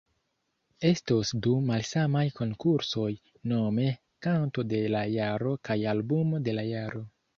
Estos du malsamaj konkursoj, nome Kanto de la Jaro kaj Albumo de la Jaro.